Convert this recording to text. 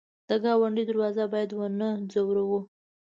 د ګاونډي دروازه باید ونه ځوروو